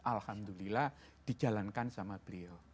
alhamdulillah dijalankan sama beliau